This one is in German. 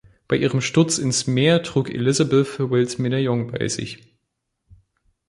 Bei ihrem Sturz ins Meer trug Elizabeth Wills Medaillon bei sich.